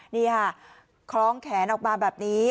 นี่ค่ะคล้องแขนออกมาแบบนี้